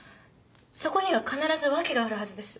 そこには必ず訳があるはずです。